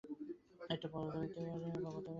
এটা পরাবৃত্তাকার পথে ফিরে আসে।